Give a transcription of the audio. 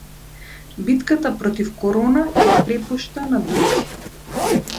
Битката против корона ќе ја препушта на други